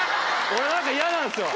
俺何か嫌なんですよ。